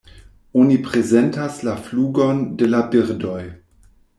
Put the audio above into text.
Oni prezentas la flugon de la birdoj.